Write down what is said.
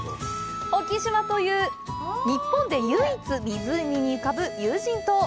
沖島は日本で唯一、湖に浮かぶ有人島。